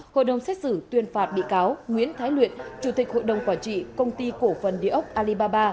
hội đồng xét xử tuyên phạt bị cáo nguyễn thái luyện chủ tịch hội đồng quản trị công ty cổ phần địa ốc alibaba